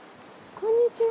こんにちは。